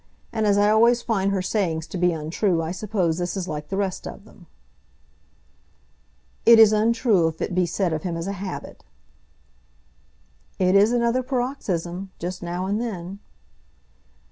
And as I always find her sayings to be untrue, I suppose this is like the rest of them." "It is untrue if it be said of him as a habit." "It is another paroxysm, just now and then."